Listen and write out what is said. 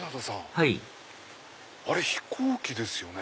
はいあれ飛行機ですよね。